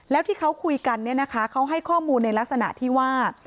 แล้วที่เขาคุยกันเนี่ยนะคะเขาให้ข้อมูลในลักษณะที่ว่า